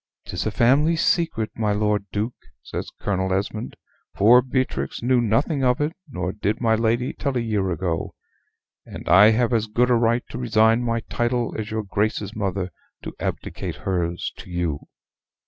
"'Tis a family secret, my Lord Duke," says Colonel Esmond: "poor Beatrix knew nothing of it; nor did my lady till a year ago. And I have as good a right to resign my title as your Grace's mother to abdicate hers to you."